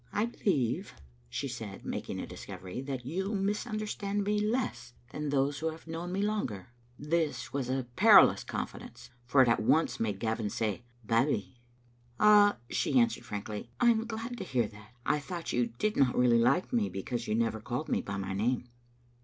" I believe," she said, making a discovery, " that you misunderstand me less than those who have known me longer. " This was a perilous confidence, for it at once made Gavin say "Babbie." " Ah, " she answered, frankly, " I am glad to hear that. I thought you did not really like me, because you never called me by my name."